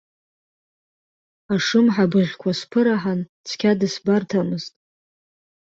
Ашымҳа быӷьқәа сԥыраҳан цқьа дысбарҭамызт.